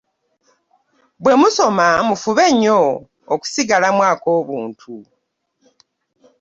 bwe musoma mufube nnyo okusigalamu akoobuntu.